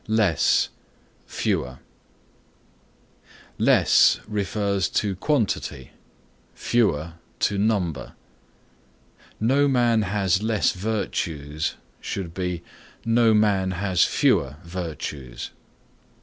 LESS FEWER Less refers is quantity, fewer to number. "No man has less virtues" should be "No man has fewer virtues."